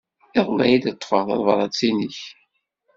Iḍelli ay d-ḍḍfeɣ tabṛat-nnek.